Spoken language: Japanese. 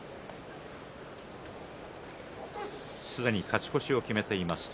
すでに勝ち越しを決めています。